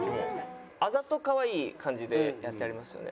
あざとかわいい感じでやってはりますよね。